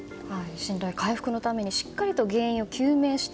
信頼回復のためにしっかりと原因を究明して